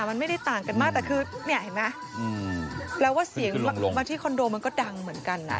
มันไม่ได้ต่างกันมากแต่คือเนี่ยเห็นไหมแปลว่าเสียงลงมาที่คอนโดมันก็ดังเหมือนกันอ่ะ